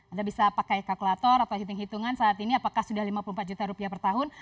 anda bisa pakai kalkulator atau hitung hitungan saat ini apakah sudah lima puluh empat juta rupiah per tahun